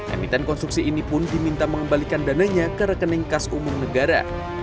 emiten konstruksi ini pun diminta mengembalikan dananya ke rekening kas umum negara